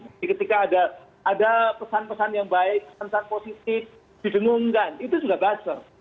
jadi ketika ada pesan pesan yang baik pesan pesan positif didengungkan itu juga buzzer